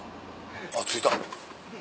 あっ着いた。